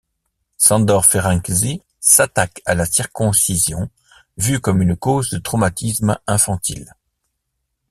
Sándor Ferenczi s'attaque à la circoncision, vu comme une cause de traumatisme infantile.